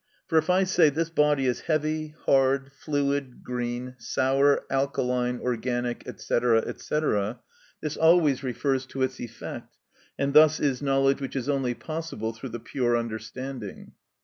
For if I say, "This body is heavy, hard, fluid, green, sour, alkaline, organic, &c., &c.," this always refers to its effect, and thus is knowledge which is only possible through the pure understanding.